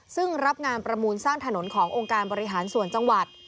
ซึ่งรับงานประมูลสร้างถนนขององค์การบริหารส่วนจังหวัด